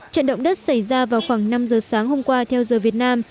trận động đất xảy ra vào khoảng năm giờ sáng hôm qua theo giờ việt nam